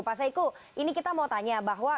pak saiku ini kita mau tanya bahwa